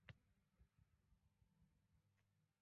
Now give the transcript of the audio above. - Men eng baxtsiz raqamman.